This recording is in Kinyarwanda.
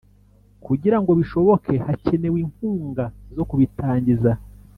kugirango bishoboke, hakenewe inkunga zo kubitangiza,